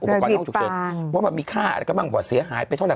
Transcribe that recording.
อุปกรณ์ในห้องฉุกเฉินว่ามีค่าอะไรก็บางหวัดเสียหายไปเท่าไหร่